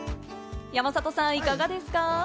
山里さん、いかがですか？